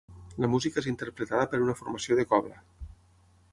La música és interpretada per una formació de cobla.